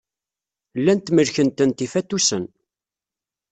Llant melkent-tent yifatusen.